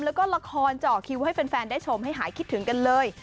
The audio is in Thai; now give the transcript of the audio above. แล้วก็ละครเจาะคิวให้แฟนได้ชมให้หายคิดถึงกันเลย